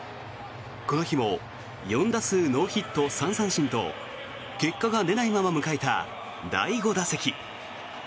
この日も４打数ノーヒット３三振と結果が出ないまま迎えた第５打席。